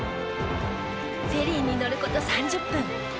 フェリーに乗ること３０分。